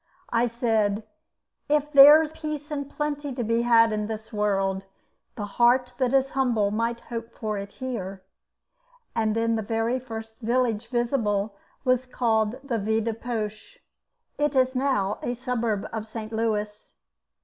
I said, "If there's peace and plenty to be had in this world, the heart that is humble might hope for it here," and then the very first village visible was called "Vide Poche." It is now a suburb of St. Louis.